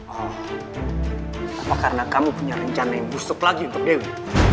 oh apa karena kamu punya rencana yang busuk lagi untuk dewi